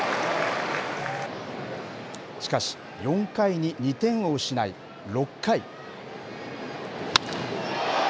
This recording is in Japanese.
しかし、４回に２点を失い、６回。